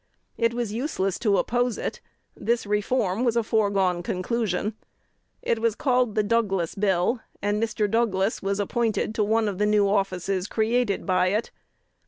It was useless to oppose it: this "reform" was a foregone conclusion. It was called the "Douglas Bill;" and Mr. Douglas was appointed to one of the new offices created by it.